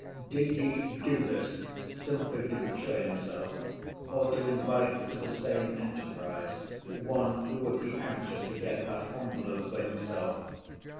Did he do this simply to betray himself, or to invite to the same enterprise one who would be anxious to get that envelope for himself?